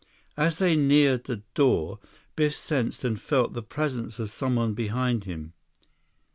As they neared the door, Biff sensed and felt the presence of someone behind him.